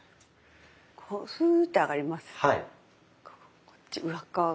こうフーッて上がります。